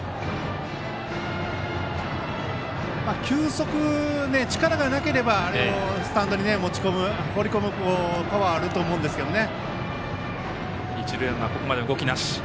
球速、力がなければスタンドに放り込むパワーがあると思うんですけどね。